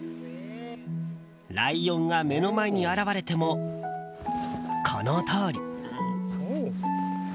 ライオンが目の前に現れてもこのとおり。